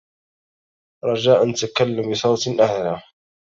رجاء، تكلم بصوت أعلى.